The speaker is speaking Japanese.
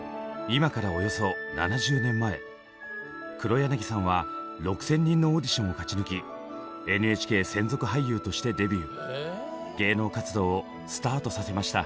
今からおよそ７０年前黒柳さんは６，０００人のオーディションを勝ち抜き芸能活動をスタートさせました。